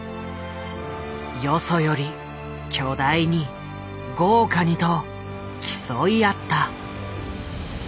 よそより巨大に豪華にと競い合った。